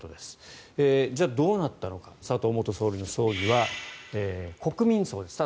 じゃあどうなったのか佐藤元総理の葬儀は国民葬です。